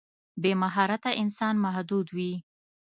بې مهارته انسان محدود وي.